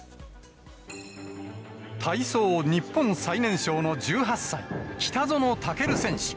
体操ニッポン最年少の１８歳、北園丈琉選手。